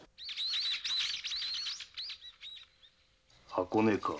箱根か。